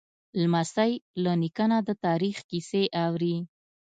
لمسی له نیکه نه د تاریخ کیسې اوري.